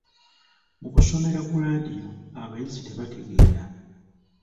Mu kusomera ku laadiyo abayizi tebategeera.